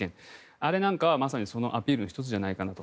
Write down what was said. あれなんかはまさにアピールの１つじゃないかと。